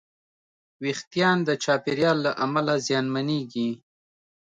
وېښتيان د چاپېریال له امله زیانمنېږي.